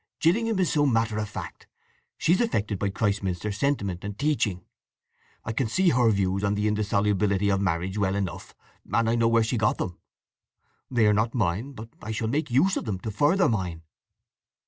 "Gillingham is so matter of fact. She's affected by Christminster sentiment and teaching. I can see her views on the indissolubility of marriage well enough, and I know where she got them. They are not mine; but I shall make use of them to further mine."